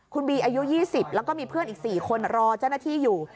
คุณบีอายุ๒๐แล้วก็มีเพื่อนอีก๔คนรอเจ้าหน้าที่อยู่